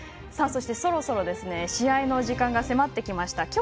そして、そろそろ試合の時間が迫ってきました。